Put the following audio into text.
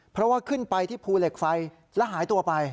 เพราะว่าขึ้นไปที่ภูเหล็กไฟแล้วหายตัวไป